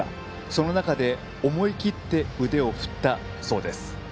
その中で思い切って腕を振ったそうです。